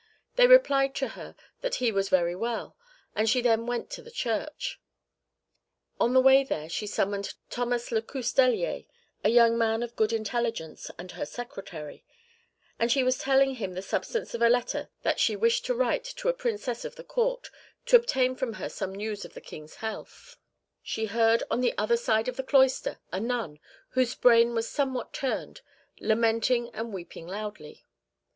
1 Francis I. died March 31, 1547. "They replied to her that he was very well, and she then went to the church. On her way there she summoned Thomas le Coustellier, a young man of good intelligence and her secretary, and as she was telling him the substance of a letter that she wished to write to a Princess of the Court, to obtain from her some news of the King's health, she heard on the other side of the cloister a nun, whose brain was somewhat turned, lamenting and weeping loudly.